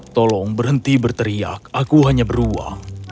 tolong berhenti berteriak aku hanya beruang